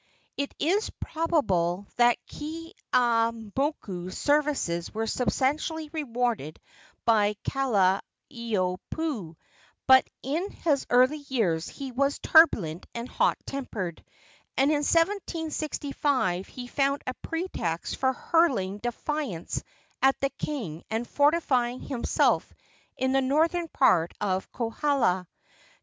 It is probable that Keeaumoku's services were substantially rewarded by Kalaniopuu; but in his early years he was turbulent and hot tempered, and in 1765 he found a pretext for hurling defiance at the king and fortifying himself in the northern part of Kohala.